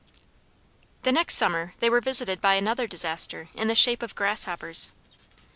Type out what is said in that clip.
The next summer they were visited by another disaster in the shape of grasshoppers.